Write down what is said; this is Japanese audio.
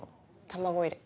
卵入れ。